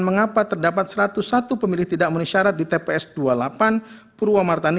mengapa terdapat satu ratus satu pemilih tidak memenuhi syarat di tps dua puluh delapan purwomartani